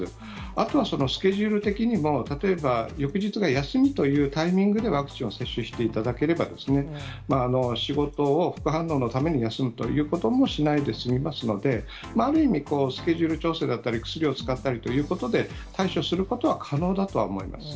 あとはスケジュール的にも、例えば翌日が休みというタイミングでワクチンを接種していただければ、仕事を副反応のために休むということもしないで済みますので、ある意味、スケジュール調整だったり、薬を使ったりということで、対処することは可能だとは思います。